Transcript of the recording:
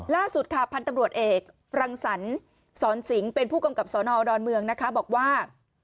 ล่าสุดค่ะพันธุ์ตำรวจเอกรังสรรสอนสิงห์เป็นผู้กำกับสนดอนเมืองนะคะบอกว่า